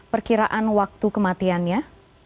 perkiraan waktu kematiannya